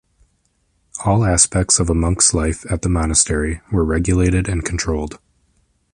All aspects of a monk's life at the monastery were regulated and controlled.